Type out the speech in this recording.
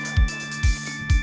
mereka memasak untuk anak anak